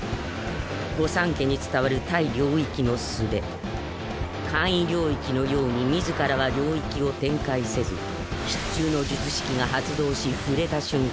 御三家に伝わる対領域のすべ「簡易領域」のように自らは領域を展開せず必中の術式が発動し触れた瞬間